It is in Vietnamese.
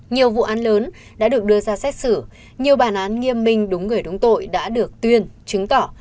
nhiều vụ án lớn đã được đưa ra xét xử nhiều bản án nghiêm minh đúng người đúng tội đã được tuyên chứng tỏ